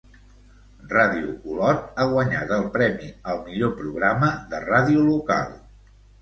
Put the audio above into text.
Ràdio Olot ha guanyat el premi al millor programa de ràdio local.